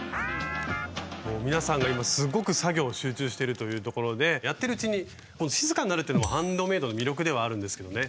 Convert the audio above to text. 皆さんが今すっごく作業に集中してるというところでやってるうちに静かになるというのもハンドメイドの魅力ではあるんですけどね。